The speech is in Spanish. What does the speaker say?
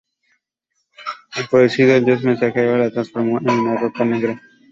Enfurecido, el dios mensajero la transformó en una roca negra.